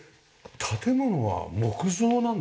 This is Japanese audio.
建物は木造なんですか？